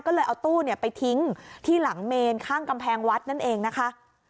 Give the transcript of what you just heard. ก็เลยเอาตู้ไปทิ้งที่หลังเมนข้างกำแพงวัดนั่นเองนะคะ